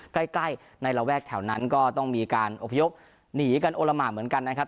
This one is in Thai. ใกล้ในระแวกแถวนั้นก็ต้องมีการอพยพหนีกันโอละหมาเหมือนกันนะครับ